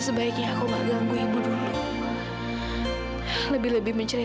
sampai jumpa di video selanjutnya